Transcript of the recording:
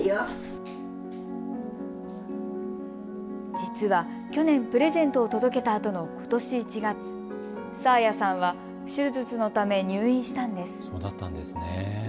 実は、去年プレゼントを届けたあとのことし１月、紗彩さんは手術のため入院したんです。